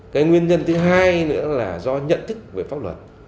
cái nguyên nhân thứ hai nữa là do nhận thức về pháp luật